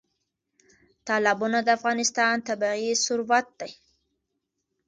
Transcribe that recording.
تالابونه د افغانستان طبعي ثروت دی.